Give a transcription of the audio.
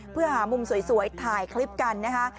เพื่อหามุมสวยถ่ายคลิปกันนะคะ